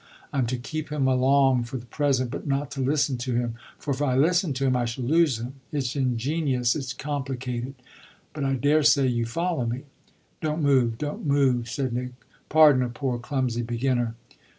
I'm to keep him along for the present, but not to listen to him, for if I listen to him I shall lose him. It's ingenious, it's complicated; but I daresay you follow me." "Don't move don't move," said Nick. "Pardon a poor clumsy beginner."